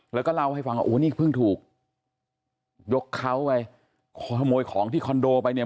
แล้วก็เล่าให้ฟังว่าโอ้นี่เพิ่งถูกยกเขาไปขโมยของที่คอนโดไปเนี่ย